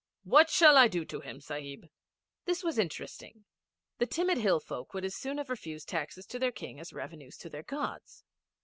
What shall I do to him, Sahib?' This was interesting. The timid hill folk would as soon have refused taxes to their King as revenues to their Gods.